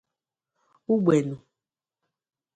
Ugbenu